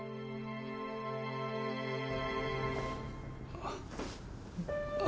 あっ。